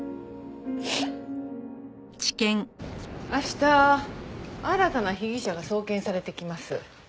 明日新たな被疑者が送検されてきます。